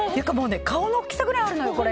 顔の大きさぐらいあるのよ、これ。